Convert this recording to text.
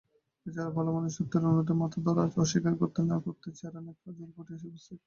বেচারা ভালোমানুষ, সত্যের অনুরোধে মাথাধরা অস্বীকার করতে না-করতে ছেঁড়া ন্যাকড়ার জলপটি এসে উপস্থিত।